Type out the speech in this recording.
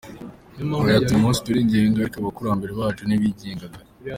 Yagize ati: “Uyu munsi turigenga, ariko abakurambere bacu ntibigengaga.